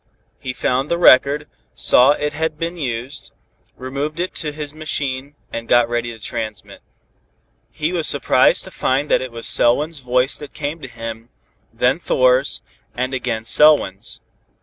He found the record, saw it had been used, removed it to his machine and got ready to transmit. He was surprised to find that it was Selwyn's voice that came to him, then Thor's, and again Selwyn's.